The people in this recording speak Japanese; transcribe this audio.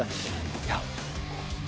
いや。